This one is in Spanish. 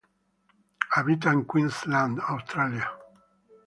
Habita en Queensland Australia.